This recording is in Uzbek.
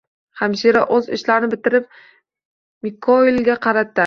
Hamshira o`z ishlarini bitirib, Mikoyilga qarata